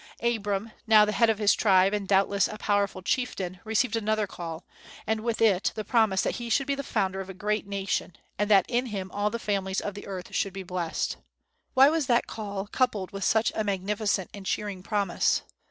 Abram, now the head of his tribe and doubtless a powerful chieftain, received another call, and with it the promise that he should be the founder of a great nation, and that in him all the families of the earth should be blessed. What was that call, coupled with such a magnificent and cheering promise?